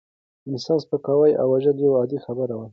د انسان سپکاوی او وژل یوه عادي خبره وه.